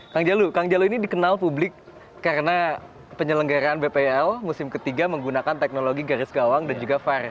kang jalu kang jalu ini dikenal publik karena penyelenggaraan bpl musim ketiga menggunakan teknologi garis gawang dan juga var